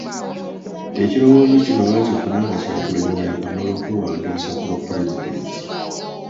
Ekirowoozo kino baakifuna nga Kyagulanyi yaakamala okwewandiisa ku bwapulezidenti .